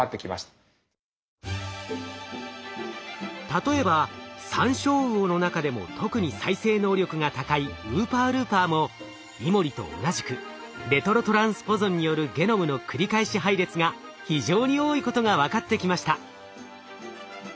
例えばサンショウウオの中でも特に再生能力が高いウーパールーパーもイモリと同じくレトロトランスポゾンによるゲノムの繰り返し配列が非常に多いことが分かってきました。